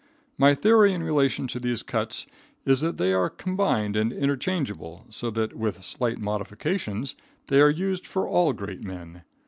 My theory in relation to these cuts is, that they are combined and interchangeable, so that, with slight modifications, they are used for all great men.